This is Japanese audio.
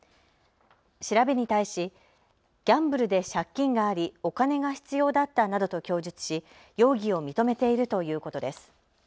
調べに対しギャンブルで借金がありお金が必要だったなどと供述し容疑を認めているということです。